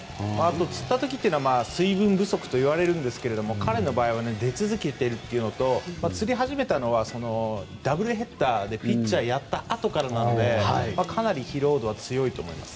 つった時は睡眠不足といわれるんですが彼の場合は出続けているというのとつり始めたのはダブルヘッダーでピッチャーをやったあとなのでかなり疲労度は強いと思います。